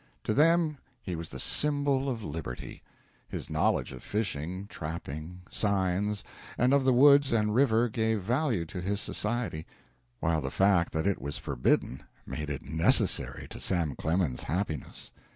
To them he was the symbol of liberty; his knowledge of fishing, trapping, signs, and of the woods and river gave value to his society, while the fact that it was forbidden made it necessary to Sam Clemens's happiness.